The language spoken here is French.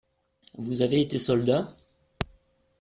Vous avez été soldat?